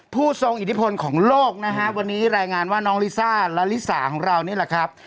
ผู้ทรงอิทธิพลของโลกนะฮะวันนี้รายงานว่าน้องลิซ่าและลิสาของเรานี่แหละครับ